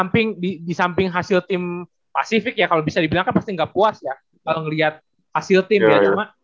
samping di samping hasil tim pasifik ya kalau bisa dibilang kan pasti nggak puas ya ngeliat hasil tim ya